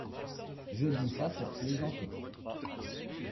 Je dis ça pour plaisanter…